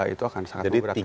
itu akan sangat memperberatkan